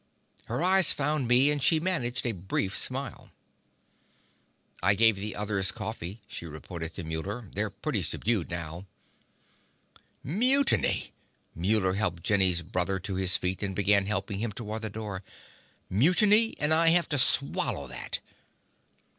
Her eyes found me, and she managed a brief smile. "I gave the others coffee," she reported to Muller. "They're pretty subdued now." "Mutiny!" Muller helped Jenny's brother to his feet and began helping him toward the door. "Mutiny! And I have to swallow that!"